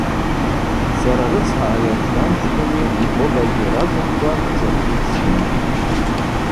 Сара рыцхӏа ари ачуанчкӏвыни мкъвыбакӏи ракӏвымкӏва закӏгьи гьсымам.